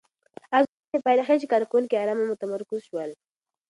د ازموینې پایلې ښيي چې کارکوونکي ارامه او متمرکز شول.